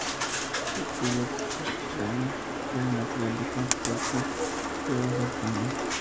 Este y otros estrenos fueron material de exportación, llevados a España.